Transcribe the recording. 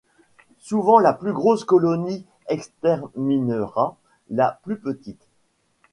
Souvent la plus grosse colonie exterminera la plus petite.